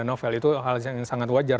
novel itu hal yang sangat wajar